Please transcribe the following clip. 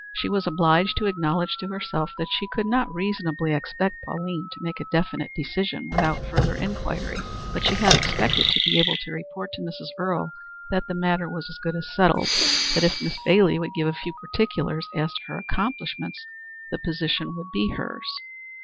She was obliged to acknowledge to herself that she could not reasonably expect Pauline to make a definite decision without further inquiry, but she had expected to be able to report to Mrs. Earle that the matter was as good as settled that, if Miss Bailey would give a few particulars as to her accomplishments, the position would be hers.